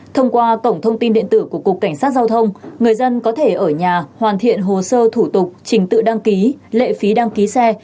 thông qua cổng thông tin điện tử của cục cảnh sát giao thông người dân có thể ở nhà hoàn thiện hồ sơ thủ tục trình tự đăng ký lệ phí đăng ký xe